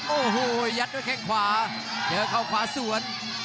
โอ้โหยัดด้วยแข้งขวาเจอเข้าขวาสวน